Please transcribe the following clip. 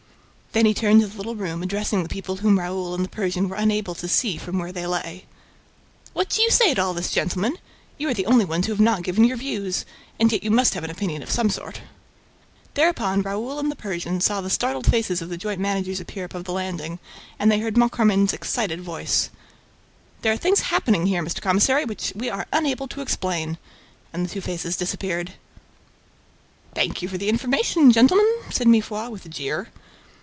Then he turned to the little room, addressing the people whom Raoul and the Persian were unable to see from where they lay. "What do you say to all this, gentlemen? You are the only ones who have not given your views. And yet you must have an opinion of some sort." Thereupon, Raoul and the Persian saw the startled faces of the joint managers appear above the landing and they heard Moncharmin's excited voice: "There are things happening here, Mr. Commissary, which we are unable to explain." And the two faces disappeared. "Thank you for the information, gentlemen," said Mifroid, with a jeer.